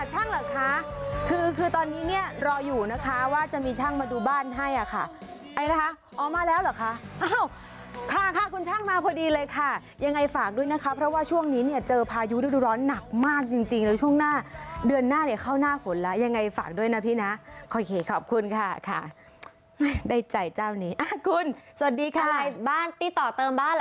ฮัลโหลฮัลโหลฮัลโหลฮัลโหลฮัลโหลฮัลโหลฮัลโหลฮัลโหลฮัลโหลฮัลโหลฮัลโหลฮัลโหลฮัลโหลฮัลโหลฮัลโหลฮัลโหลฮัลโหลฮัลโหลฮัลโหลฮัลโหลฮัลโหลฮัลโหลฮัลโหลฮัลโหลฮัลโหลฮัลโหลฮัลโหลฮัลโหล